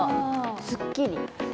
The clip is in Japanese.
すっきり。